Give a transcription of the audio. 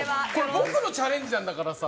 僕のチャレンジなんだからさ。